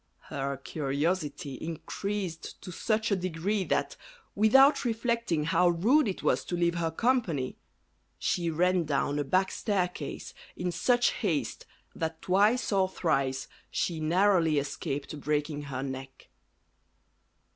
Her curiosity increased to such a degree that, without reflecting how rude it was to leave her company, she ran down a back staircase in such haste that twice or thrice she narrowly escaped breaking her neck.